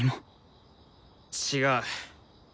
違う。